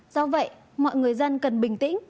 do vậy mọi người dân cần bình tĩnh